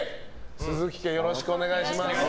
鈴木家、よろしくお願いします。